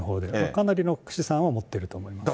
かなりの資産を持っていると思います。